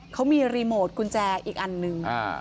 เขามีรีโมทกุญแจอีกอันนึง